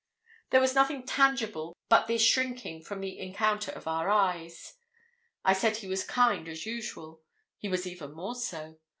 There was nothing tangible but this shrinking from the encounter of our eyes. I said he was kind as usual. He was even more so.